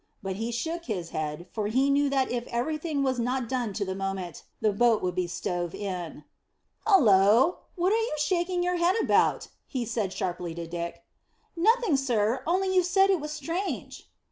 But he shook his head, for he knew that if everything was not done to the moment, the boat would be stove in. "Hullo! What are you shaking your head about?" he said sharply to Dick. "Nothing sir, only you said it was strange."